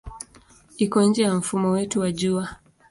Iko nje ya mfumo wetu wa Jua.